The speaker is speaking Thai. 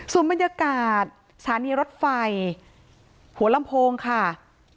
ส่วนบรรยากาศสถานีรถไฟหัวลำโพงค่ะ